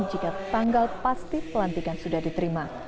jika tanggal pasti pelantikan sudah diterima